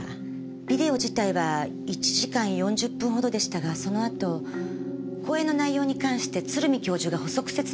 ビデオ自体は１時間４０分ほどでしたがその後講演の内容に関して鶴見教授が補足説明されました。